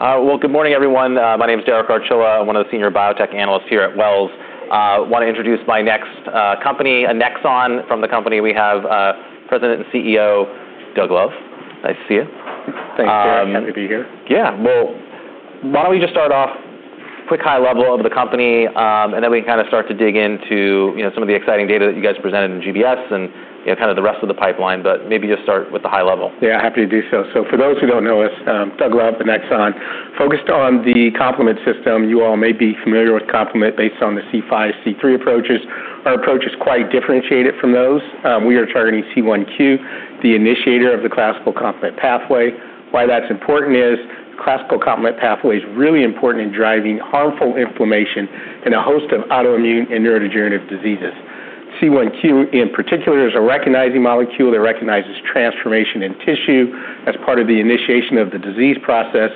Good morning, everyone. My name is Derek Archila. I'm one of the Senior Biotech Analysts here at Wells. I want to introduce my next company, Annexon. From the company, we have President and CEO, Doug Love. Nice to see you. Thanks, Derek. Happy to be here. Yeah. Well, why don't we just start off quick high level of the company, and then we can kind of start to dig into, you know, some of the exciting data that you guys presented in GBS and, you know, kind of the rest of the pipeline, but maybe just start with the high level. Yeah, happy to do so. So for those who don't know us, I'm Doug Love at Annexon, focused on the complement system. You all may be familiar with complement based on the C5, C3 approaches. Our approach is quite differentiated from those. We are targeting C1q, the initiator of the classical complement pathway. Why that's important is classical complement pathway is really important in driving harmful inflammation in a host of autoimmune and neurodegenerative diseases. C1q, in particular, is a recognizing molecule. It recognizes transformation in tissue as part of the initiation of the disease process.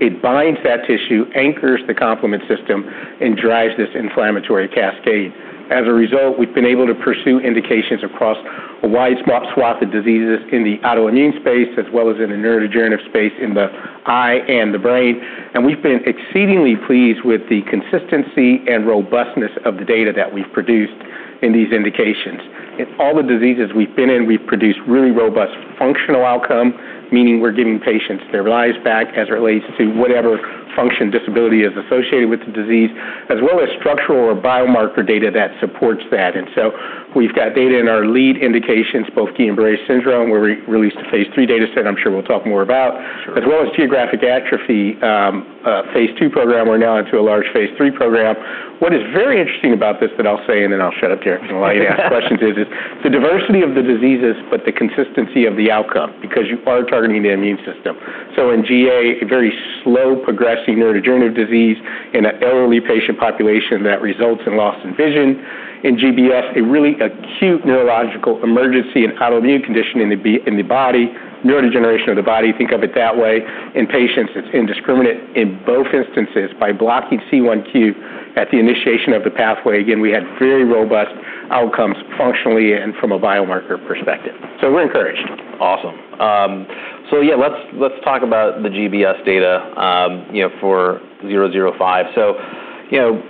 It binds that tissue, anchors the complement system, and drives this inflammatory cascade. As a result, we've been able to pursue indications across a wide swath of diseases in the autoimmune space, as well as in the neurodegenerative space, in the eye and the brain. And we've been exceedingly pleased with the consistency and robustness of the data that we've produced in these indications. In all the diseases we've been in, we've produced really robust functional outcome, meaning we're giving patients their lives back as it relates to whatever function disability is associated with the disease, as well as structural or biomarker data that supports that. And so we've got data in our lead indications, both Guillain-Barré syndrome, where we released a phase III data set. I'm sure we'll talk more about- Sure. as well as geographic atrophy, a phase II program. We're now into a large phase III program. What is very interesting about this, that I'll say, and then I'll shut up here and allow you to ask questions, is the diversity of the diseases, but the consistency of the outcome, because you are targeting the immune system. So in GA, a very slow progressing neurodegenerative disease in an elderly patient population that results in loss in vision. In GBS, a really acute neurological emergency and autoimmune condition in the body, neurodegeneration of the body, think of it that way. In patients, it's indiscriminate in both instances. By blocking C1q at the initiation of the pathway, again, we had very robust outcomes functionally and from a biomarker perspective. So we're encouraged. Awesome. So yeah, let's talk about the GBS data, you know, for 005. So, you know,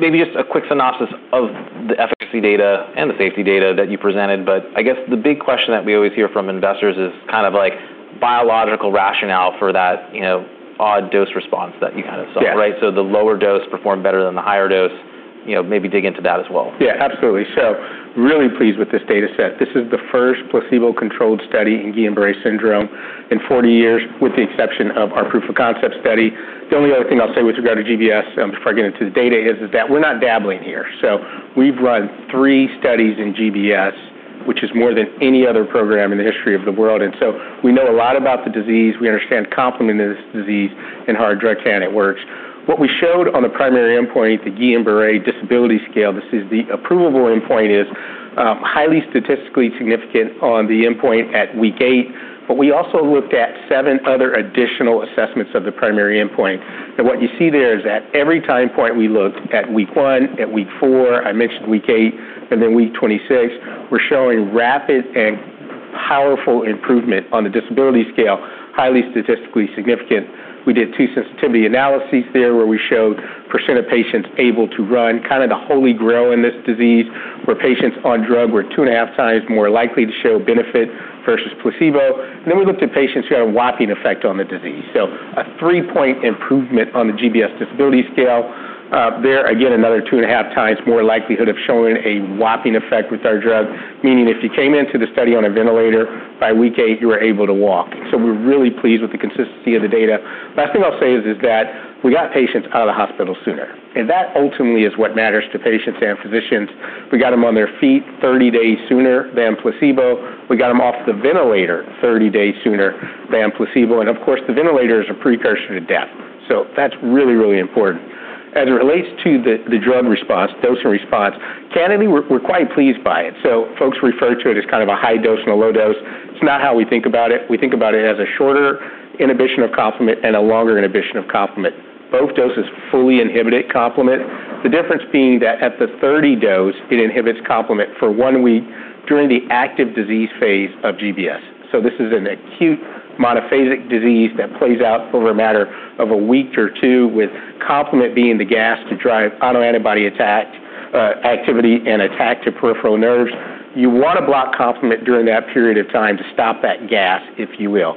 maybe just a quick synopsis of the efficacy data and the safety data that you presented. But I guess the big question that we always hear from investors is kind of like biological rationale for that, you know, odd dose response that you kind of saw. Yeah. Right? So the lower dose performed better than the higher dose. You know, maybe dig into that as well. Yeah, absolutely. So really pleased with this data set. This is the first placebo-controlled study in Guillain-Barré syndrome in 40 years, with the exception of our proof of concept study. The only other thing I'll say with regard to GBS, before I get into the data, is that we're not dabbling here. So we've run three studies in GBS, which is more than any other program in the history of the world, and so we know a lot about the disease. We understand complement in this disease and how our drug candidate works. What we showed on the primary endpoint, the Guillain-Barré Disability Scale, this is the approvable endpoint, is highly statistically significant on the endpoint at week eight, but we also looked at seven other additional assessments of the primary endpoint. And what you see there is at every time point, we looked at week one, at week four, I mentioned week eight, and then week 26, we're showing rapid and powerful improvement on the disability scale, highly statistically significant. We did two sensitivity analyses there, where we showed percent of patients able to run, kind of the holy grail in this disease, where patients on drug were two and a half times more likely to show benefit versus placebo. Then we looked at patients who had a whopping effect on the disease. So a three-point improvement on the GBS Disability Scale. There, again, another two and a half times more likelihood of showing a whopping effect with our drug, meaning if you came into the study on a ventilator, by week eight, you were able to walk. So we're really pleased with the consistency of the data. Last thing I'll say is that we got patients out of the hospital sooner, and that ultimately is what matters to patients and physicians. We got them on their feet 30 days sooner than placebo. We got them off the ventilator 30 days sooner than placebo, and of course, the ventilator is a precursor to death. So that's really, really important. As it relates to the drug response, dose and response, candidly, we're quite pleased by it. So folks refer to it as kind of a high dose and a low dose. It's not how we think about it. We think about it as a shorter inhibition of complement and a longer inhibition of complement. Both doses fully inhibited complement. The difference being that at the low dose, it inhibits complement for one week during the active disease phase of GBS. So this is an acute monophasic disease that plays out over a matter of a week or two, with complement being the gas to drive autoantibody attack, activity and attack to peripheral nerves. You want to block complement during that period of time to stop that gas, if you will.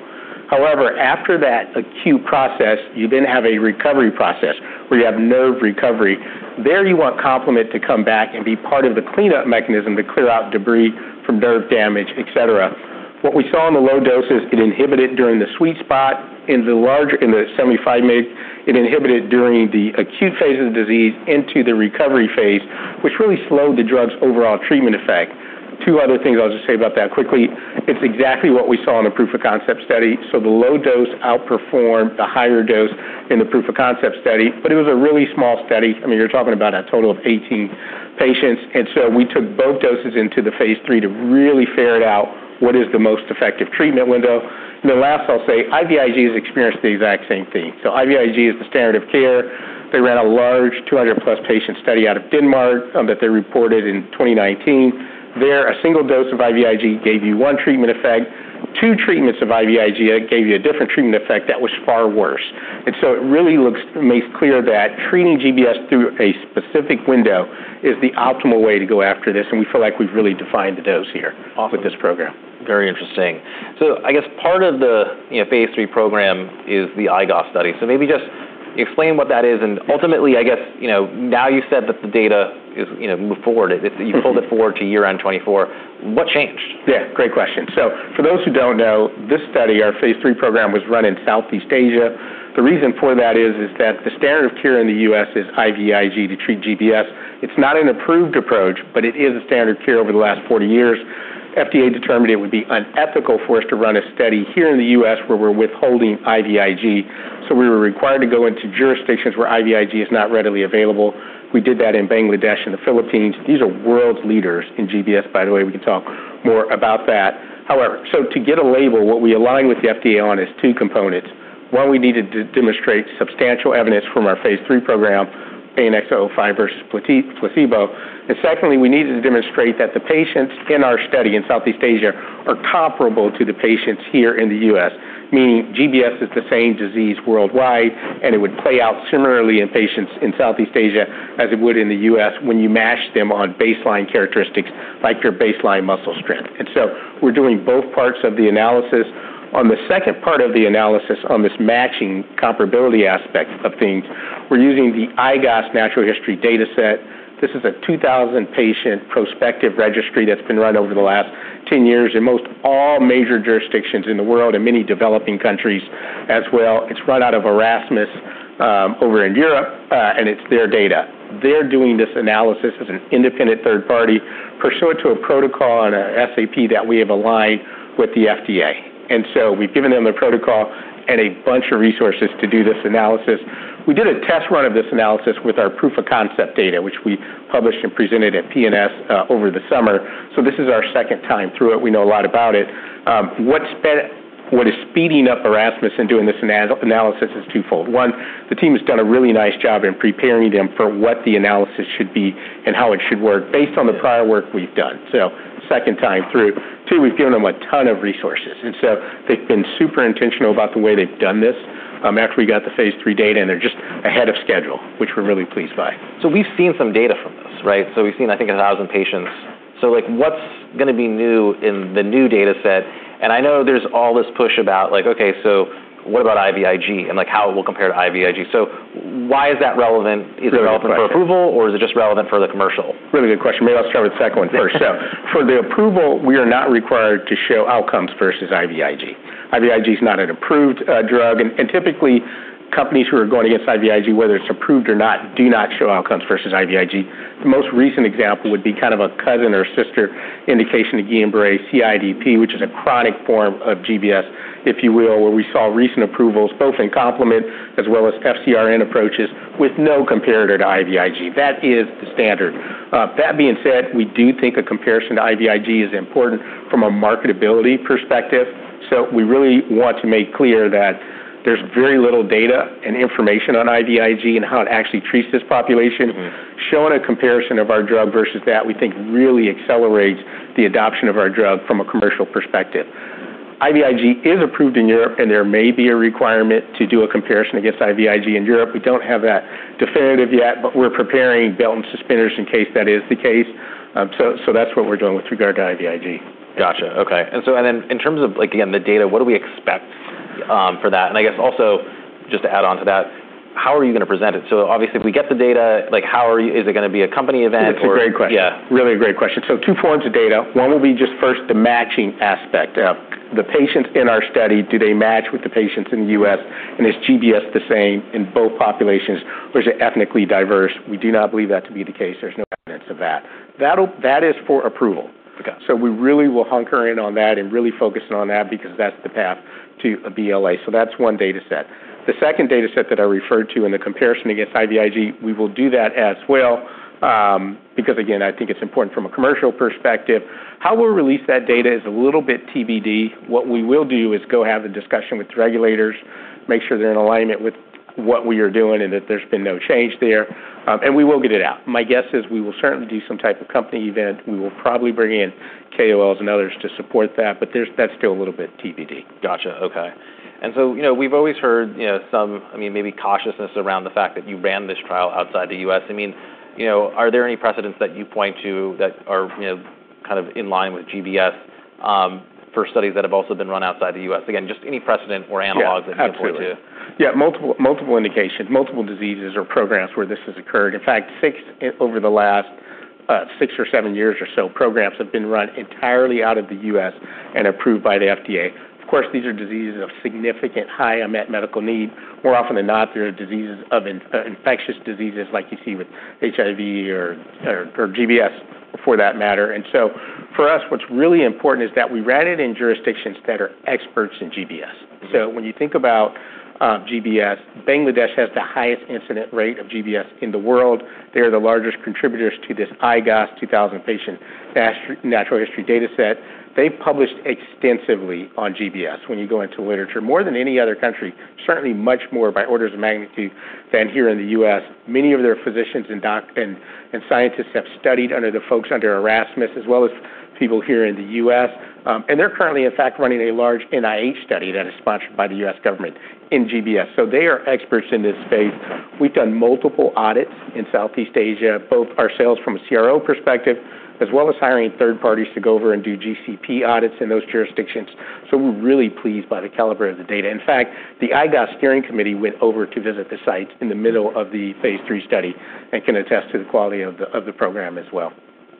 However, after that acute process, you then have a recovery process, where you have nerve recovery. There you want complement to come back and be part of the cleanup mechanism to clear out debris from nerve damage, et cetera. What we saw in the low dose is it inhibited during the sweet spot. In the 75 mg, it inhibited during the acute phase of the disease into the recovery phase, which really slowed the drug's overall treatment effect. Two other things I'll just say about that quickly. It's exactly what we saw in the proof of concept study. The low dose outperformed the higher dose in the proof of concept study, but it was a really small study. I mean, you're talking about a total of 18 patients, and so we took both doses into the phase III to really figure it out what is the most effective treatment window. Lastly, I'll say, IVIG has experienced the exact same thing. IVIG is the standard of care. They ran a large 200+ patient study out of Denmark that they reported in 2019. There, a single dose of IVIG gave you one treatment effect. Two treatments of IVIG gave you a different treatment effect that was far worse. And so it really looks, makes clear that treating GBS through a specific window is the optimal way to go after this, and we feel like we've really defined the dose here. Awesome. with this program. Very interesting. So I guess part of the, you know, phase III program is the IGOS study. So maybe just explain what that is, and ultimately, I guess, you know, now you said that the data is, you know, moved forward. Mm-hmm. If you pulled it forward to year-end 2024, what changed? Yeah, great question. So for those who don't know, this study, our phase III program, was run in Southeast Asia. The reason for that is that the standard of care in the U.S. is IVIG to treat GBS. It's not an approved approach, but it is a standard of care over the last 40 years. FDA determined it would be unethical for us to run a study here in the U.S., where we're withholding IVIG. So we were required to go into jurisdictions where IVIG is not readily available. We did that in Bangladesh and the Philippines. These are world leaders in GBS, by the way. We can talk more about that. However. So to get a label, what we align with the FDA on is two components. One, we needed to demonstrate substantial evidence from our phase III program, ANX005 versus placebo. Secondly, we needed to demonstrate that the patients in our study in Southeast Asia are comparable to the patients here in the U.S. Meaning GBS is the same disease worldwide, and it would play out similarly in patients in Southeast Asia as it would in the U.S. when you match them on baseline characteristics like your baseline muscle strength. And so we're doing both parts of the analysis. On the second part of the analysis, on this matching comparability aspect of things, we're using the IGOS Natural History Dataset. This is a 2,000-patient prospective registry that's been run over the last 10 years, in most all major jurisdictions in the world and many developing countries as well. It's run out of Erasmus over in Europe, and it's their data. They're doing this analysis as an independent third party, pursuant to a protocol and a SAP that we have aligned with the FDA. And so we've given them a protocol and a bunch of resources to do this analysis. We did a test run of this analysis with our proof of concept data, which we published and presented at PNS over the summer. So this is our second time through it. We know a lot about it. What is speeding up Erasmus in doing this analysis is twofold. One, the team has done a really nice job in preparing them for what the analysis should be and how it should work, based on the prior work we've done. So second time through. Two, we've given them a ton of resources, and so they've been super intentional about the way they've done this, after we got the phase III data, and they're just ahead of schedule, which we're really pleased by. So we've seen some data from this, right? So we've seen, I think, a 1000 patients. So, like, what's going to be new in the new dataset? And I know there's all this push about like, okay, so what about IVIG and, like, how it will compare to IVIG. So why is that relevant? Really good question. Is it relevant for approval, or is it just relevant for the commercial? Really good question. Maybe I'll start with the second one first. So for the approval, we are not required to show outcomes versus IVIG. IVIG is not an approved drug, and typically, companies who are going against IVIG, whether it's approved or not, do not show outcomes versus IVIG. The most recent example would be kind of a cousin or sister indication to Guillain-Barré, CIDP, which is a chronic form of GBS, if you will, where we saw recent approvals, both in complement as well as FcRn approaches, with no comparator to IVIG. That is the standard. That being said, we do think a comparison to IVIG is important from a marketability perspective. So we really want to make clear that there's very little data and information on IVIG and how it actually treats this population. Mm-hmm. Showing a comparison of our drug versus that, we think, really accelerates the adoption of our drug from a commercial perspective. IVIG is approved in Europe, and there may be a requirement to do a comparison against IVIG in Europe. We don't have that definitive yet, but we're preparing belt and suspenders in case that is the case. So that's what we're doing with regard to IVIG. Gotcha. Okay. And so and then in terms of like, again, the data, what do we expect for that? And I guess also just to add on to that, how are you going to present it? So obviously, if we get the data, like how are you... Is it going to be a company event or- That's a great question. Yeah. Really great question. So two forms of data. One will be just first, the matching aspect. The patients in our study, do they match with the patients in the U.S., and is GBS the same in both populations, or is it ethnically diverse? We do not believe that to be the case. There's no evidence of that. That is for approval. Okay. So we really will hunker in on that and really focus in on that because that's the path to a BLA. So that's one dataset. The second dataset that I referred to in the comparison against IVIG, we will do that as well, because again, I think it's important from a commercial perspective. How we'll release that data is a little bit TBD. What we will do is go have the discussion with regulators, make sure they're in alignment with what we are doing and that there's been no change there, and we will get it out. My guess is we will certainly do some type of company event. We will probably bring in KOLs and others to support that, but that's still a little bit TBD. Gotcha. Okay. And so, you know, we've always heard, you know, some, I mean, maybe cautiousness around the fact that you ran this trial outside the U.S. I mean, you know, are there any precedents that you point to that are, you know, kind of in line with GBS for studies that have also been run outside the U.S.? Again, just any precedent or analogs. Yeah, absolutely. that you point to. Yeah, multiple, multiple indications, multiple diseases or programs where this has occurred. In fact, six over the last six or seven years or so, programs have been run entirely out of the U.S. and approved by the FDA. Of course, these are diseases of significant high unmet medical need. More often than not, they're diseases of infectious diseases like you see with HIV or GBS, for that matter. And so for us, what's really important is that we ran it in jurisdictions that are experts in GBS. So when you think about GBS, Bangladesh has the highest incidence rate of GBS in the world. They are the largest contributors to this IGOS, 2,000 patient natural history dataset. They've published extensively on GBS when you go into literature, more than any other country, certainly much more by orders of magnitude than here in the U.S. Many of their physicians and scientists have studied under the folks at Erasmus, as well as people here in the U.S. And they're currently, in fact, running a large NIH study that is sponsored by the U.S. government in GBS. So they are experts in this space. We've done multiple audits in Southeast Asia, both our sites from a CRO perspective, as well as hiring third parties to go over and do GCP audits in those jurisdictions. So we're really pleased by the caliber of the data. In fact, the IGOS steering committee went over to visit the site in the middle of the phase III study and can attest to the quality of the program as well.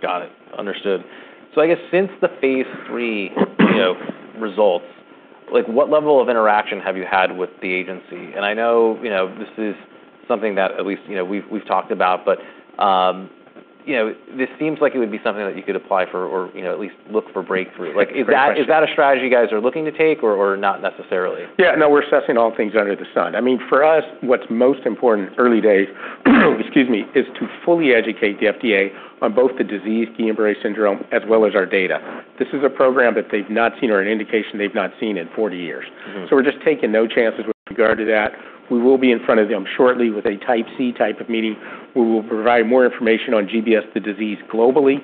Got it. Understood. So I guess since the phase III, you know, results, like, what level of interaction have you had with the agency? And I know, you know, this is something that at least, you know, we've talked about, but, you know, this seems like it would be something that you could apply for or, you know, at least look for breakthrough. Like, is that- Great question. Is that a strategy you guys are looking to take or not necessarily? Yeah, no, we're assessing all things under the sun. I mean, for us, what's most important, early days, excuse me, is to fully educate the FDA on both the disease, Guillain-Barré syndrome, as well as our data. This is a program that they've not seen or an indication they've not seen in 40 years. Mm-hmm. We're just taking no chances with regard to that. We will be in front of them shortly with a Type C type of meeting. We will provide more information on GBS, the disease, globally,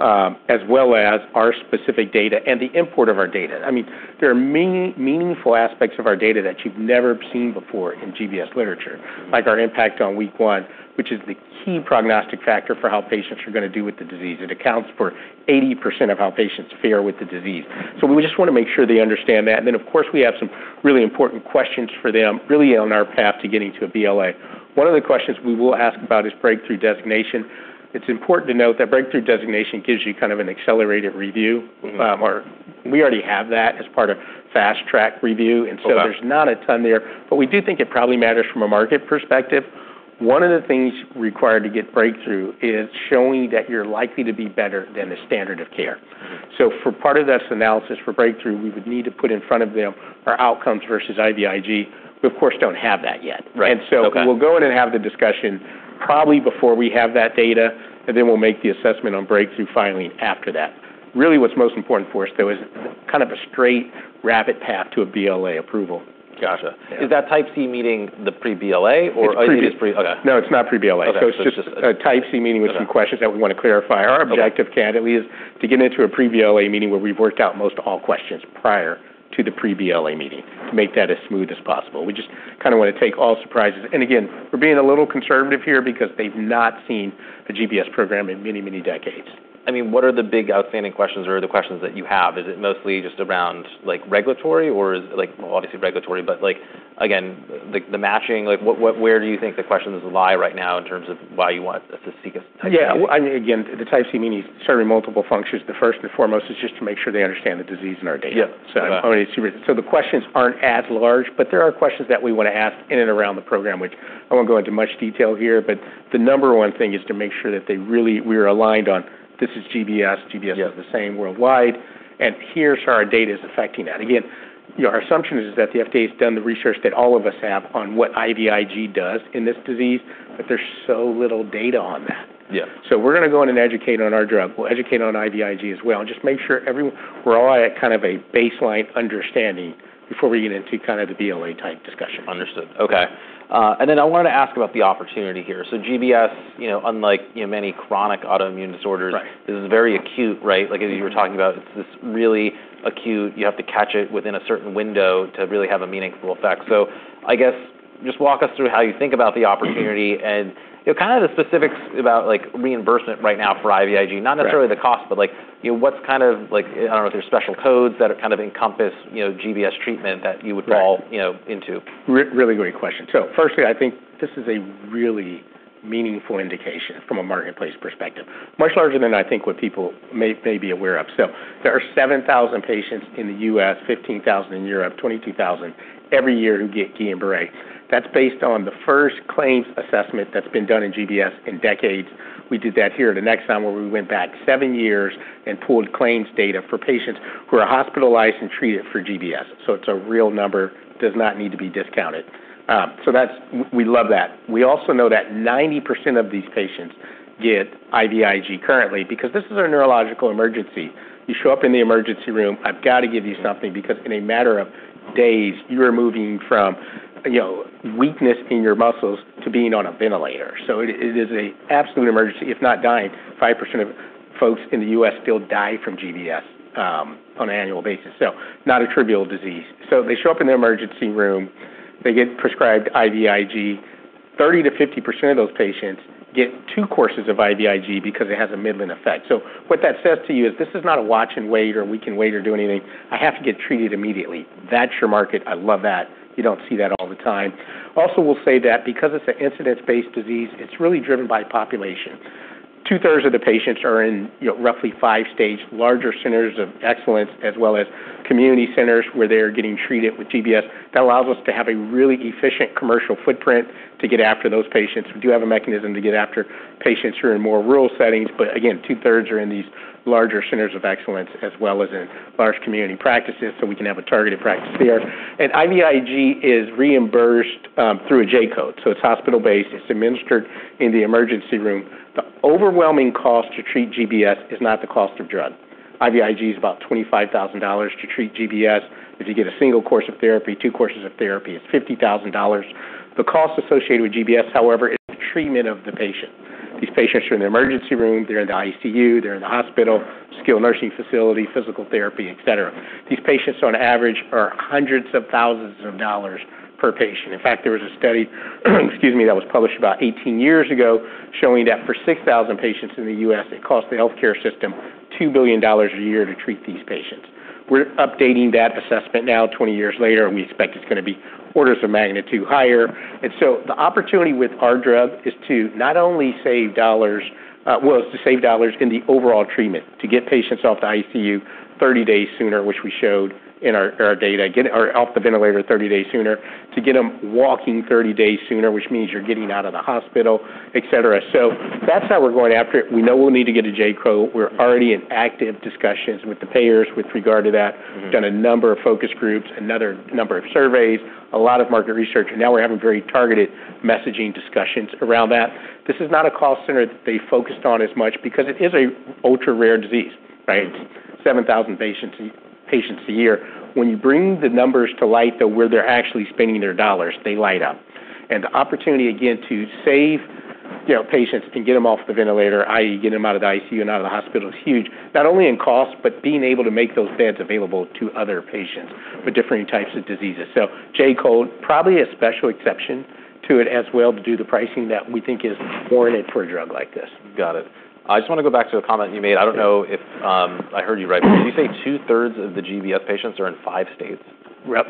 as well as our specific data and the import of our data. I mean, there are meaningful aspects of our data that you've never seen before in GBS literature, like our impact on week one, which is the key prognostic factor for how patients are gonna do with the disease. It accounts for 80% of how patients fare with the disease. We just want to make sure they understand that. And then, of course, we have some really important questions for them, really on our path to getting to a BLA. One of the questions we will ask about is breakthrough designation. It's important to note that breakthrough designation gives you kind of an accelerated review. Mm-hmm. Or we already have that as part of fast-track review. Okay. So there's not a ton there, but we do think it probably matters from a market perspective. One of the things required to get breakthrough is showing that you're likely to be better than the standard of care. Mm-hmm. So for part of this analysis, for breakthrough, we would need to put in front of them our outcomes versus IVIG. We, of course, don't have that yet. Right. Okay. And so we'll go in and have the discussion probably before we have that data, and then we'll make the assessment on breakthrough finally after that. Really, what's most important for us, though, is kind of a straight, rapid path to a BLA approval. Gotcha. Yeah. Is that Type C meeting the pre-BLA or- It's pre- Oh, it is. Okay. No, it's not pre-BLA. Okay. So just- So it's just a Type C meeting- Got it... with some questions that we want to clarify. Okay. Our objective, candidly, is to get into a pre-BLA meeting where we've worked out most all questions prior to the pre-BLA meeting to make that as smooth as possible. We just kind of want to take all surprises. Again, we're being a little conservative here because they've not seen a GBS program in many, many decades. I mean, what are the big outstanding questions or the questions that you have? Is it mostly just around, like, regulatory or is it, like... Well, obviously, regulatory, but, like, again, the matching, like, what, where do you think the questions lie right now in terms of why you want us to seek a Type C? Yeah. Well, I mean, again, the Type C meeting serving multiple functions. The first and foremost is just to make sure they understand the disease in our data. Yeah. Got it. So, I mean, so the questions aren't at large, but there are questions that we want to ask in and around the program, which I won't go into much detail here, but the number one thing is to make sure that they really, we're aligned on this is GBS. Yeah. GBS is the same worldwide, and here's how our data is affecting that. Again, you know, our assumption is that the FDA has done the research that all of us have on what IVIG does in this disease, but there's so little data on that. Yeah. We're gonna go in and educate on our drug. We'll educate on IVIG as well and just make sure everybody's at kind of a baseline understanding before we get into kind of the BLA-type discussion. Understood. Okay, and then I wanted to ask about the opportunity here, so GBS, you know, unlike, you know, many chronic autoimmune disorders- Right... is very acute, right? Mm-hmm. Like, as you were talking about, it's this really acute. You have to catch it within a certain window to really have a meaningful effect. So I guess just walk us through how you think about the opportunity and, you know, kind of the specifics about, like, reimbursement right now for IVIG. Right. Not necessarily the cost, but, like, you know, what's kind of, like... I don't know if there's special codes that are kind of encompass, you know, GBS treatment that you would- Right… fall, you know, into. Really great question. So firstly, I think this is a really meaningful indication from a marketplace perspective, much larger than I think what people may be aware of. So there are 7,000 patients in the U.S., 15,000 in Europe, 22,000 every year who get Guillain-Barré. That's based on the first claims assessment that's been done in GBS in decades. We did that here at Annexon, where we went back seven years and pulled claims data for patients who are hospitalized and treated for GBS. So it's a real number, does not need to be discounted. So that's. We love that. We also know that 90% of these patients get IVIG currently, because this is a neurological emergency. You show up in the emergency room, I've got to give you something. Mm-hmm... because in a matter of days, you are moving from, you know, weakness in your muscles to being on a ventilator. So it is an absolute emergency, if not dying. 5% of folks in the U.S. still die from GBS on an annual basis. So not a trivial disease. So they show up in the emergency room, they get prescribed IVIG. 30%-50% of those patients get two courses of IVIG because it has a limited effect. So what that says to you is this is not a watch and wait, or we can wait or do anything. I have to get treated immediately. That's your market. I love that. You don't see that all the time. Also, we'll say that because it's an incidence-based disease, it's really driven by population.... Two-thirds of the patients are in, you know, roughly five states, larger centers of excellence, as well as community centers where they are getting treated with GBS. That allows us to have a really efficient commercial footprint to get after those patients. We do have a mechanism to get after patients who are in more rural settings, but again, two-thirds are in these larger centers of excellence, as well as in large community practices, so we can have a targeted practice there. IVIG is reimbursed through a J-code, so it's hospital-based. It's administered in the emergency room. The overwhelming cost to treat GBS is not the cost of drug. IVIG is about $25,000 to treat GBS. If you get a single course of therapy, two courses of therapy, it's $50,000. The cost associated with GBS, however, is the treatment of the patient. These patients are in the emergency room, they're in the ICU, they're in the hospital, skilled nursing facility, physical therapy, et cetera. These patients, on average, are hundreds of thousands of dollars per patient. In fact, there was a study, excuse me, that was published about 18 years ago, showing that for 6,000 patients in the U.S., it cost the healthcare system $2 billion a year to treat these patients. We're updating that assessment now, 20 years later, and we expect it's gonna be orders of magnitude higher. And so the opportunity with our drug is to not only save dollars. is to save dollars in the overall treatment, to get patients off the ICU 30 days sooner, which we showed in our data, get them off the ventilator 30 days sooner, to get them walking 30 days sooner, which means you're getting out of the hospital, et cetera. So that's how we're going after it. We know we'll need to get a J-code. We're already in active discussions with the payers with regard to that. Mm-hmm. Done a number of focus groups, another number of surveys, a lot of market research, and now we're having very targeted messaging discussions around that. This is not a call center that they focused on as much because it is an ultra-rare disease, right? 7,000 patients a year. When you bring the numbers to light, though, where they're actually spending their dollars, they light up. And the opportunity, again, to save, you know, patients and get them off the ventilator, i.e., get them out of the ICU and out of the hospital, is huge. Not only in cost, but being able to make those beds available to other patients for different types of diseases. So J-code, probably a special exception to it as well, to do the pricing that we think is warranted for a drug like this. Got it. I just want to go back to a comment you made. Sure. I don't know if I heard you right. Did you say two-thirds of the GBS patients are in five states?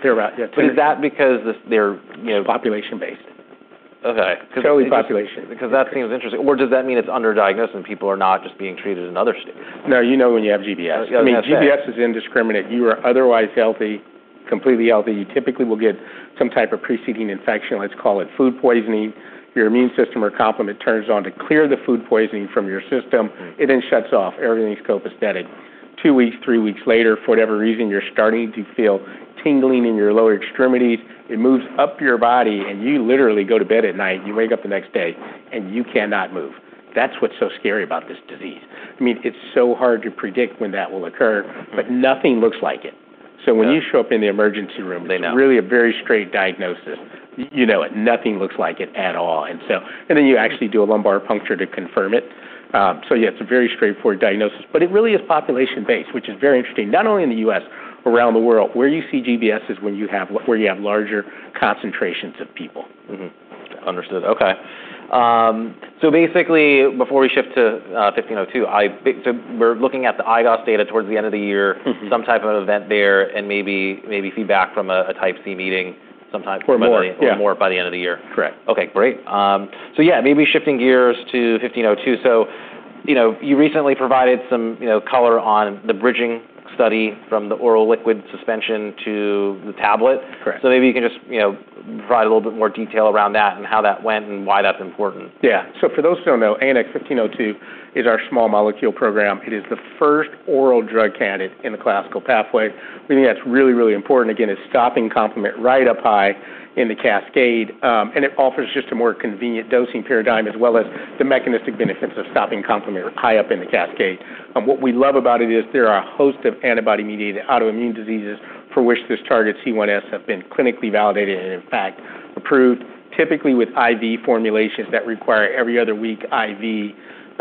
They're about, yeah, two-thirds. But is that because, you know- Population-based. Okay. Highly population- Because that seems interesting. Or does that mean it's underdiagnosed, and people are not just being treated in other states? No, you know when you have GBS. Okay, I was going to say- I mean, GBS is indiscriminate. You are otherwise healthy, completely healthy. You typically will get some type of preceding infection, let's call it food poisoning. Your immune system or complement turns on to clear the food poisoning from your system. Right. It then shuts off. Everything's copacetic. Two weeks, three weeks later, for whatever reason, you're starting to feel tingling in your lower extremities. It moves up your body, and you literally go to bed at night, and you wake up the next day, and you cannot move. That's what's so scary about this disease. I mean, it's so hard to predict when that will occur. Right... but nothing looks like it. Yeah. When you show up in the emergency room- They know... it's really a very straight diagnosis. You know it. Nothing looks like it at all. And so... And then you actually do a lumbar puncture to confirm it. So yeah, it's a very straightforward diagnosis, but it really is population-based, which is very interesting, not only in the U.S., around the world. Where you see GBS is when you have larger concentrations of people. Mm-hmm. Understood. Okay. So basically, before we shift to 1502, so we're looking at the IGOS data towards the end of the year. Mm-hmm. Some type of event there and maybe, maybe feedback from a Type C meeting sometime- Or more. Or more by the end of the year. Correct. Okay, great. So yeah, maybe shifting gears to ANX1502. So, you know, you recently provided some, you know, color on the bridging study from the oral liquid suspension to the tablet. Correct. So maybe you can just, you know, provide a little bit more detail around that and how that went and why that's important. Yeah. So for those who don't know, ANX1502 is our small molecule program. It is the first oral drug candidate in the classical pathway. We think that's really, really important. Again, it's stopping complement right up high in the cascade, and it offers just a more convenient dosing paradigm, as well as the mechanistic benefits of stopping complement high up in the cascade. What we love about it is there are a host of antibody-mediated autoimmune diseases for which this target, C1s, have been clinically validated and, in fact, approved, typically with IV formulations that require every other week IV.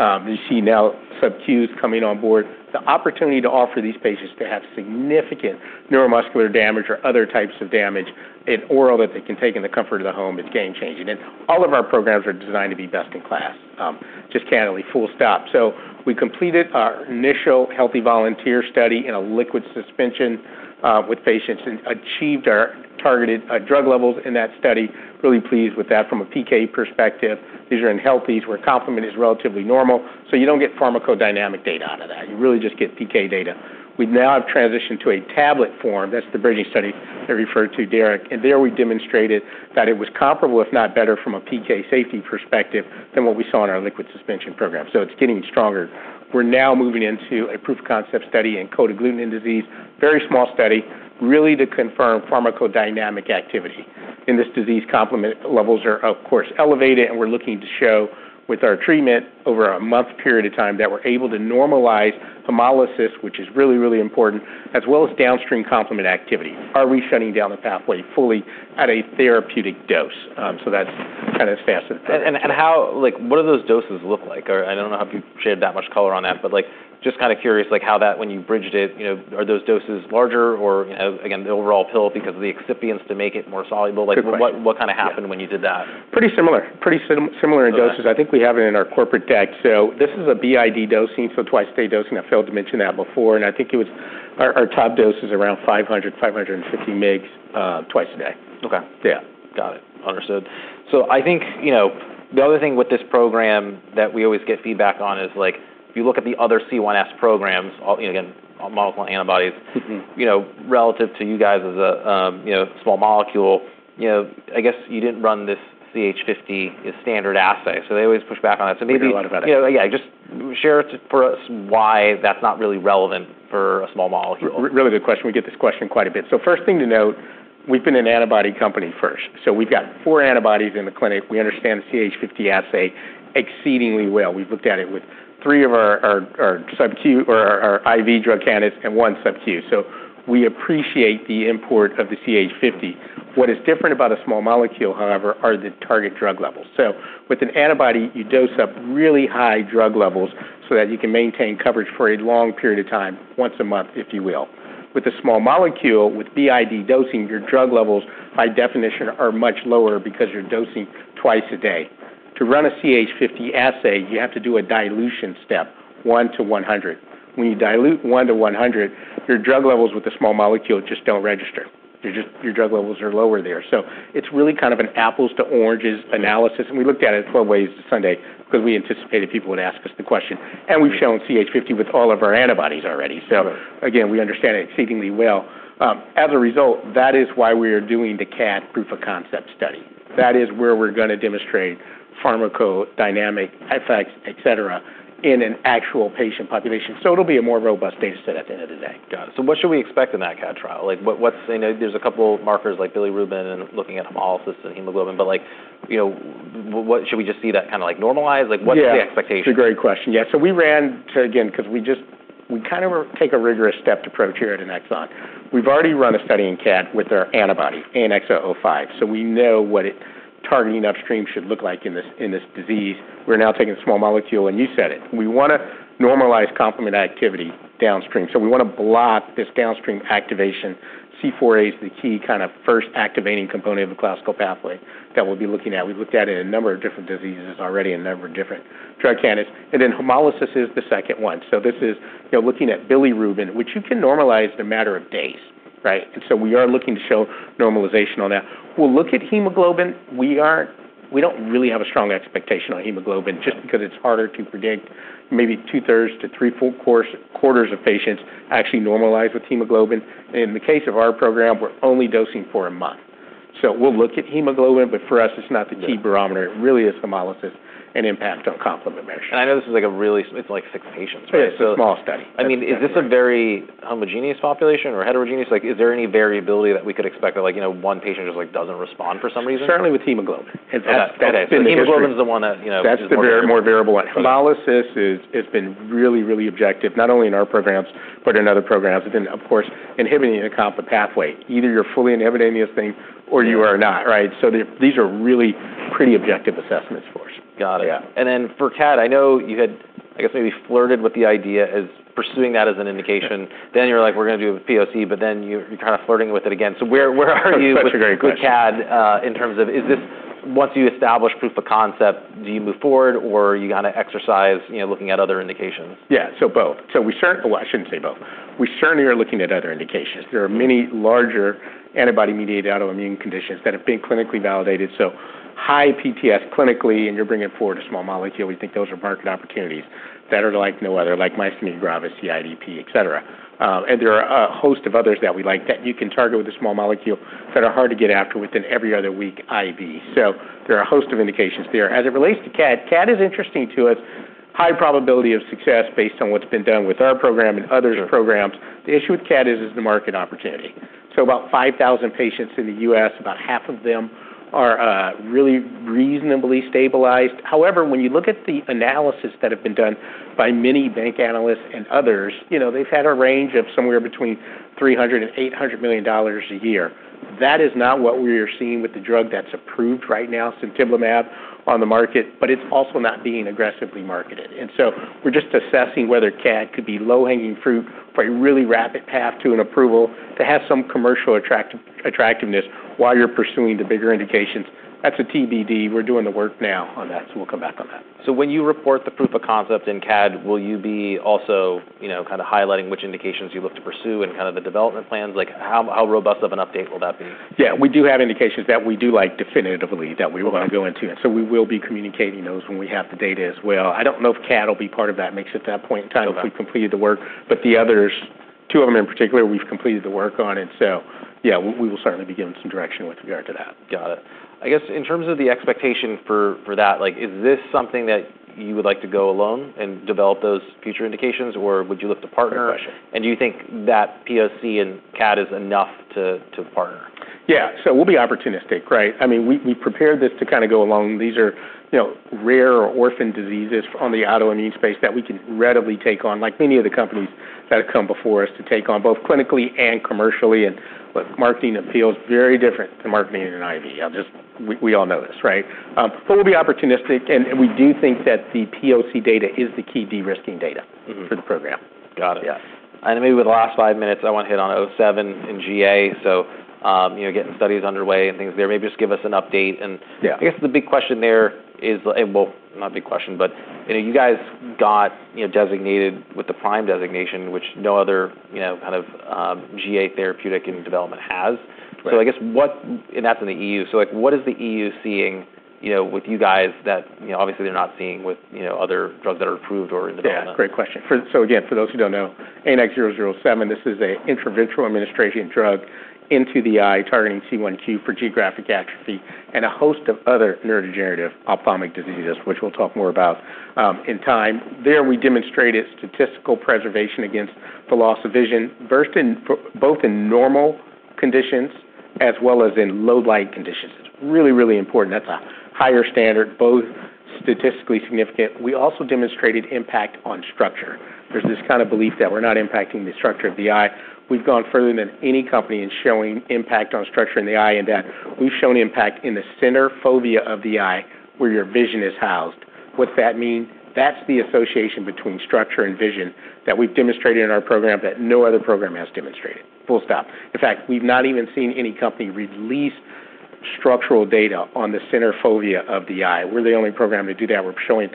You see now sub-Qs coming on board. The opportunity to offer these patients to have significant neuromuscular damage or other types of damage in oral that they can take in the comfort of the home is game-changing. All of our programs are designed to be best in class, just candidly, full stop. We completed our initial healthy volunteer study in a liquid suspension with patients and achieved our targeted drug levels in that study. Really pleased with that from a PK perspective. These are in healthies, where complement is relatively normal, so you don't get pharmacodynamic data out of that. You really just get PK data. We now have transitioned to a tablet form. That's the bridging study I referred to, Derek. There, we demonstrated that it was comparable, if not better, from a PK safety perspective than what we saw in our liquid suspension program. It's getting stronger. We're now moving into a proof-of-concept study in cold agglutinin disease. Very small study, really to confirm pharmacodynamic activity. In this disease, complement levels are, of course, elevated, and we're looking to show with our treatment over a month period of time, that we're able to normalize hemolysis, which is really, really important, as well as downstream complement activity. Are we shutting down the pathway fully at a therapeutic dose? So that's kind of as fast as- How... Like, what do those doses look like? Or I don't know how you've shared that much color on that, but, like, just kind of curious, like, how that, when you bridged it, you know, are those doses larger or, you know, again, the overall pill because of the excipients to make it more soluble? Good point. Like, what kind of happened when you did that? Pretty similar in doses. I think we have it in our corporate deck. So this is a BID dosing, so twice-a-day dosing. I failed to mention that before, and I think it was. Our top dose is around 500-550 mg twice a day. Okay. Yeah. Got it. Understood. So I think, you know, the other thing with this program that we always get feedback on is, like, if you look at the other C1s programs, again, on multiple antibodies. Mm-hmm. You know, relative to you guys as a, you know, I guess you didn't run this CH50 standard assay, so they always push back on that. So maybe- We do a lot of that. Yeah, yeah, just share for us why that's not really relevant for a small molecule. Really good question. We get this question quite a bit, so first thing to note, we've been an antibody company first, so we've got four antibodies in the clinic. We understand the CH50 assay exceedingly well. We've looked at it with three of our sub Q or our IV drug candidates and one sub Q. So we appreciate the import of the CH50. What is different about a small molecule, however, are the target drug levels. So with an antibody, you dose up really high drug levels so that you can maintain coverage for a long period of time, once a month, if you will. With a small molecule, with BID dosing, your drug levels, by definition, are much lower because you're dosing twice a day. To run a CH50 assay, you have to do a dilution step, one to 100. When you dilute one to 100, your drug levels with a small molecule just don't register. Your drug levels are lower there. So it's really kind of an apples to oranges analysis, and we looked at it four ways to Sunday, because we anticipated people would ask us the question, and we've shown CH50 with all of our antibodies already. Got it. So again, we understand it exceedingly well. As a result, that is why we are doing the CAD proof of concept study. That is where we're gonna demonstrate pharmacodynamic effects, et cetera, in an actual patient population. So it'll be a more robust data set at the end of the day. Got it. So what should we expect in that CAD trial? Like, what's... I know there's a couple markers like bilirubin and looking at hemolysis and hemoglobin, but like, you know, what should we just see that kind of like normalize? Yeah. Like, what's the expectation? It's a great question. Yeah, so we ran two, again, because we kind of take a rigorous step-by-step approach here at Annexon. We've already run a study in CAD with our antibody, ANX005, so we know what it's targeting upstream should look like in this disease. We're now taking a small molecule, and you said it, we wanna normalize complement activity downstream, so we want to block this downstream activation. C4a is the key kind of first activating component of the classical pathway that we'll be looking at. We've looked at it in a number of different diseases already, a number of different drug candidates, and then hemolysis is the second one. So this is, you know, looking at bilirubin, which you can normalize in a matter of days, right? And so we are looking to show normalization on that. We'll look at hemoglobin. We don't really have a strong expectation on hemoglobin just because it's harder to predict. Maybe two-thirds to three-quarters of patients actually normalize with hemoglobin. In the case of our program, we're only dosing for a month. So we'll look at hemoglobin, but for us, it's not the key barometer. Yeah. It really is hemolysis and impact on complement measure. I know this is like a really- it's like six patients, right? It's a small study. I mean, is this a very homogeneous population or heterogeneous? Like, is there any variability that we could expect that, like, you know, one patient just, like, doesn't respond for some reason? Certainly, with hemoglobin. Okay. That's been the history. Hemoglobin is the one that, you know- That's the more variable one. Hemolysis is, it's been really objective, not only in our programs, but in other programs, and of course, inhibiting a complement pathway. Either you're fully inhibiting this thing or you are not, right? Right. So these are really pretty objective assessments for us. Got it. Yeah. Then for CAD, I know you had, I guess, maybe flirted with the idea as pursuing that as an indication. Yeah. Then you're like, "We're gonna do a POC," but then you're kind of flirting with it again. So where are you- Such a great question. With CAD, in terms of... Is this, once you establish proof of concept, do you move forward, or you got to exercise, you know, looking at other indications? Yeah. So both. Well, I shouldn't say both. We certainly are looking at other indications. Mm-hmm. There are many larger antibody-mediated autoimmune conditions that have been clinically validated, so high PTS clinically, and you're bringing forward a small molecule. We think those are market opportunities that are like no other, like myasthenia gravis, CIDP, et cetera. And there are a host of others that we like that you can target with a small molecule that are hard to get after with an every other week IV. So there are a host of indications there. As it relates to CAD, CAD is interesting to us. High probability of success based on what's been done with our program and others' programs. Sure. The issue with CAD is the market opportunity. So about 5,000 patients in the U.S., about half of them are really reasonably stabilized. However, when you look at the analysis that have been done by many bank analysts and others, you know, they've had a range of somewhere between $300 million and $800 million a year. That is not what we are seeing with the drug that's approved right now, sutimlimab, on the market, but it's also not being aggressively marketed. And so we're just assessing whether CAD could be low-hanging fruit for a really rapid path to an approval, to have some commercial attractiveness while you're pursuing the bigger indications. That's a TBD. We're doing the work now on that, so we'll come back on that. So when you report the proof of concept in CAD, will you be also, you know, kind of highlighting which indications you look to pursue and kind of the development plans? Like, how robust of an update will that be? Yeah, we do have indications that we do like definitively that we want to go into. Okay. And so we will be communicating those when we have the data as well. I don't know if CAD will be part of that mix at that point in time- Okay... if we've completed the work, but the others, two of them in particular, we've completed the work on it. So yeah, we, we will certainly be giving some direction with regard to that. Got it. I guess, in terms of the expectation for that, like, is this something that you would like to go alone and develop those future indications, or would you look to partner? Good question. Do you think that POC in CAD is enough to partner? Yeah. So we'll be opportunistic, right? I mean, we, we prepared this to kind of go along. These are, you know, rare or orphan diseases on the autoimmune space that we can readily take on, like many of the companies that have come before us to take on, both clinically and commercially, and with marketing appeals, very different to marketing an IV. We, we all know this, right? But we'll be opportunistic, and, and we do think that the POC data is the key de-risking data- Mm-hmm. for the program. Got it. Yeah. Maybe with the last five minutes, I want to hit on 007 and GA. You know, getting studies underway and things there. Maybe just give us an update. Yeah. I guess the big question there is, well, not a big question, but, you know, you guys got, you know, designated with the PRIME designation, which no other, you know, kind of, GA therapeutic in development has. Right. That's in the EU. So, like, what is the EU seeing, you know, with you guys that, you know, obviously they're not seeing with, you know, other drugs that are approved or in development? Yeah, great question. So again, for those who don't know, ANX007, this is a intravitreal administration drug into the eye, targeting C1q for geographic atrophy and a host of other neurodegenerative ophthalmic diseases, which we'll talk more about in time. There, we demonstrated statistical preservation against the loss of vision best in both normal conditions as well as in low light conditions. It's really, really important. That's a higher standard, both statistically significant. We also demonstrated impact on structure. There's this kind of belief that we're not impacting the structure of the eye. We've gone further than any company in showing impact on structure in the eye, and that we've shown impact in the center fovea of the eye, where your vision is housed. What's that mean? That's the association between structure and vision that we've demonstrated in our program that no other program has demonstrated. Full stop. In fact, we've not even seen any company release structural data on the center fovea of the eye. We're the only program to do that. We're showing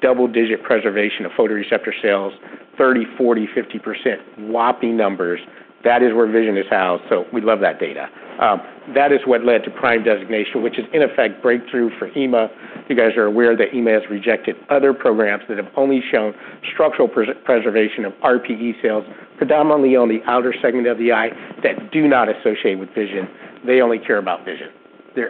double-digit preservation of photoreceptor cells, 30, 40, 50%, whopping numbers. That is where vision is housed, so we love that data. That is what led to PRIME designation, which is, in effect, breakthrough for EMA. You guys are aware that EMA has rejected other programs that have only shown structural preservation of RPE cells, predominantly on the outer segment of the eye, that do not associate with vision. They only care about vision.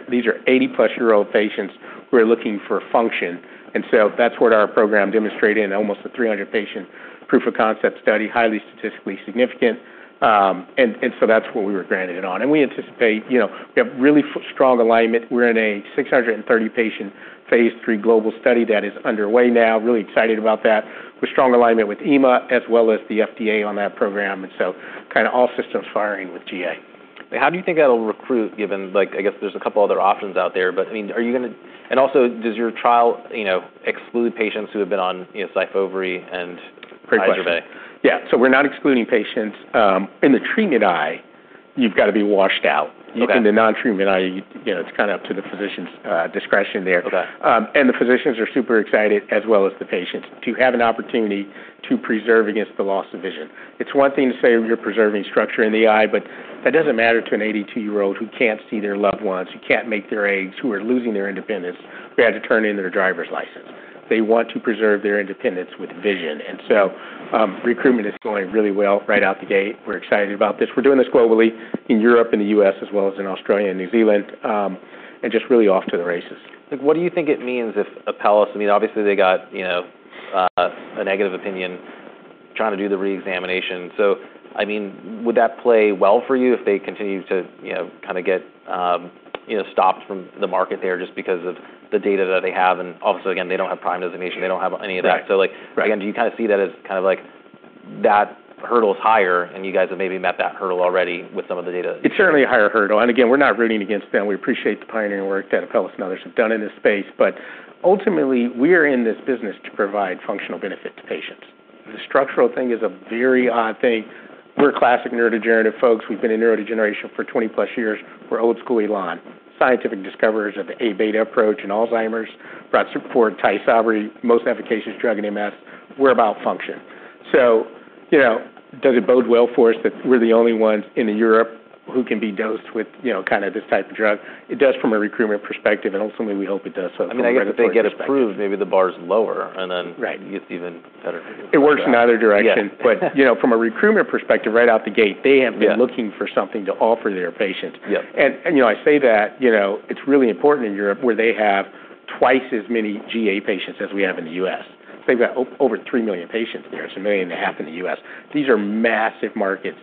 These are 80+ year-old patients who are looking for function, and so that's what our program demonstrated in almost a 300-patient proof of concept study, highly statistically significant. And so that's what we were granted it on. We anticipate, you know, we have really strong alignment. We're in a 630-patient, phase III global study that is underway now. Really excited about that. We have strong alignment with EMA as well as the FDA on that program, and so kind of all systems firing with GA. How do you think that'll recruit, given, like, I guess there's a couple other options out there, but, I mean, are you gonna... And also, does your trial, you know, exclude patients who have been on, you know, Syfovre and Izervay? Great question. Yeah, so we're not excluding patients. In the treatment eye, you've got to be washed out. Okay. In the non-treatment eye, you know, it's kind of up to the physician's discretion there. Okay. And the physicians are super excited, as well as the patients, to have an opportunity to preserve against the loss of vision. It's one thing to say you're preserving structure in the eye, but that doesn't matter to an 82 year old who can't see their loved ones, who can't make their eggs, who are losing their independence, who had to turn in their driver's license. They want to preserve their independence with vision, and so, recruitment is going really well right out the gate. We're excited about this. We're doing this globally in Europe and the U.S., as well as in Australia and New Zealand, and just really off to the races. What do you think it means if Apellis... I mean, obviously, they got, you know, a negative opinion, trying to do the reexamination. So I mean, would that play well for you if they continue to, you know, kind of get, you know, stopped from the market there just because of the data that they have? And obviously, again, they don't have Prime designation, they don't have any of that. Right. So, like- Right... again, do you kind of see that as kind of like that hurdle is higher, and you guys have maybe met that hurdle already with some of the data? It's certainly a higher hurdle, and again, we're not rooting against them. We appreciate the pioneering work that Apellis and others have done in this space, but ultimately, we're in this business to provide functional benefit to patients. The structural thing is a very odd thing. We're classic neurodegenerative folks. We've been in neurodegeneration for 20+ years. We're old-school Elan. Scientific discoverers of the A-beta approach in Alzheimer's, brought support for Tysabri, most efficacious drug in MS. We're about function, so you know, does it bode well for us that we're the only ones in Europe who can be dosed with, you know, kind of this type of drug? It does from a recruitment perspective, and ultimately, we hope it does so. I mean, if they get approved, maybe the bar is lower, and then- Right It gets even better. It works in either direction. Yeah. But, you know, from a recruitment perspective, right out the gate, they have- Yeah been looking for something to offer their patients. Yeah. You know, I say that, you know, it's really important in Europe, where they have twice as many GA patients as we have in the U.S. They've got over three million patients there, so a million and a half in the U.S. These are massive markets,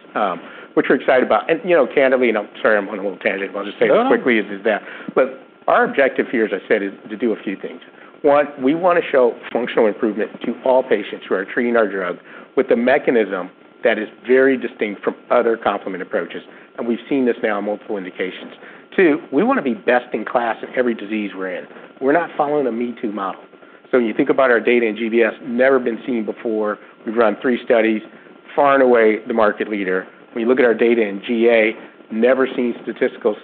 which we're excited about. You know, candidly, and I'm sorry, I'm on a little tangent- No. But I'll just say as quickly as that. But our objective here, as I said, is to do a few things. One, we want to show functional improvement to all patients who are treating our drug with a mechanism that is very distinct from other complement approaches, and we've seen this now in multiple indications. Two, we want to be best-in-class in every disease we're in. We're not following a me-too model. So when you think about our data in GBS, never been seen before. We've run three studies, far and away the market leader. When you look at our data in GA, never seen statistically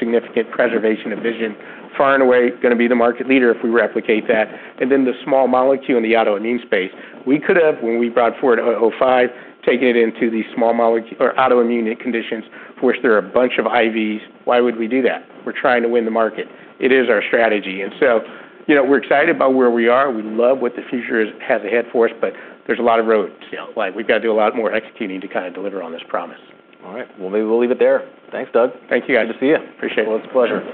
significant preservation of vision. Far and away, going to be the market leader if we replicate that. And then the small molecule in the autoimmune space, we could have, when we brought forward ANX005, taken it into the small molecule or autoimmune conditions, of course, there are a bunch of IVs. Why would we do that? We're trying to win the market. It is our strategy. And so, you know, we're excited about where we are. We love what the future is, has ahead for us, but there's a lot of road- Yeah... like, we've got to do a lot more executing to kind of deliver on this promise. All right. Well, maybe we'll leave it there. Thanks, Doug. Thank you. Good to see you. Appreciate it. It's a pleasure.